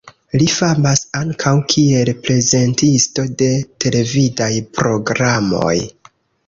Li famas ankaŭ kiel prezentisto de televidaj programoj.